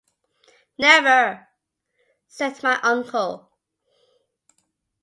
“Never,” said my uncle.